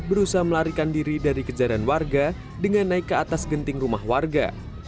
berusaha melarikan diri dari kejaran warga dengan naik ke atas genting rumah warga